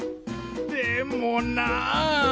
でもな。